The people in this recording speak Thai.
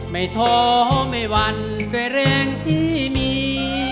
ไม่ท้อไม่วันก็แรงที่มี